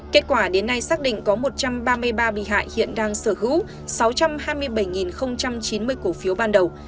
kết quả đến nay xác định có một trăm ba mươi ba bị hại hiện đang sở hữu sáu trăm hai mươi bảy chín mươi cổ phiếu ban đầu